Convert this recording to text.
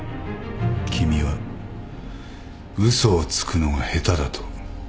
君は嘘をつくのが下手だと。